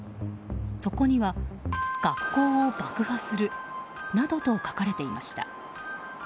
そこには学校を爆破するなどと書かれていました。